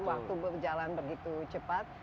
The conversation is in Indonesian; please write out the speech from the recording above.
waktu berjalan begitu cepat